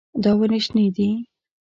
دا ونې شنې دي.